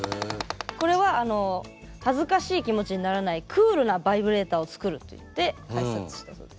これはあの恥ずかしい気持ちにならないクールなバイブレーターを作るといって開発したそうですね。